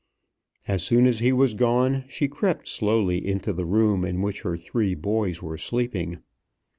As soon as he was gone she crept slowly into the room in which her three boys were sleeping.